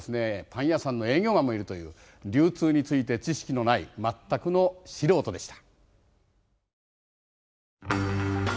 パン屋さんの営業マンもいるという流通について知識のない全くの素人でした。